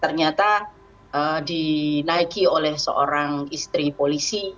ternyata dinaiki oleh seorang istri polisi